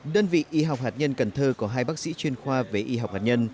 đơn vị y học hạt nhân cần thơ có hai bác sĩ chuyên khoa về y học hạt nhân